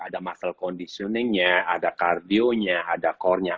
ada muscle conditioning nya ada cardio nya ada core nya